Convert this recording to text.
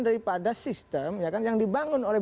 daripada sistem yang dibangun oleh